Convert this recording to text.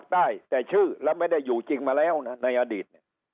ได้แต่ชื่อแล้วไม่ได้อยู่จริงมาแล้วนะในอดีต